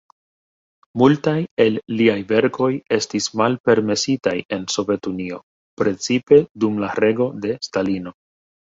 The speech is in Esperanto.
Multaj el liaj verkoj estis malpermesitaj en Sovetunio, precipe dum la rego de Stalino.